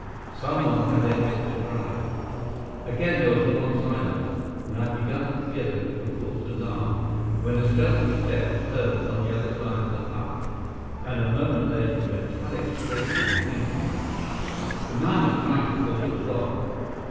Someone had entered the drive. Again there was a long silence, and I had begun to fear that it was a false alarm, when a stealthy step was heard upon the other side of the hut, and a moment later a metallic scraping and clinking. The man was trying to force the lock.